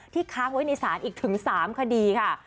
ที่ค้าไว้ในสารอีกถึง๓คดีค่ะ